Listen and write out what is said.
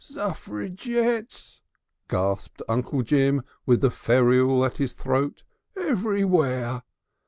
"Suffragettes," gasped Uncle Jim with the ferule at his throat. "Everywhere!"